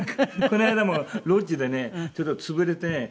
この間もロッジでねちょっと潰れてね